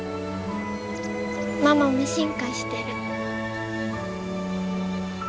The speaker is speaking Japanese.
ママも進化してる。